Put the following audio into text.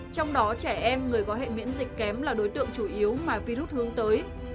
trong đó trẻ em người có hệ miễn dịch kém là đối tượng chủ yếu mà virus hướng tới